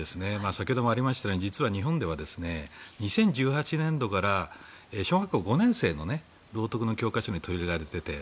先ほどもありましたように実は日本では２０１８年度から小学校５年生の道徳の教科書に取り入れられていて